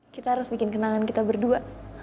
kita harus bikin kenangan kita berdua